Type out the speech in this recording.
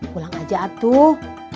pulang aja atuh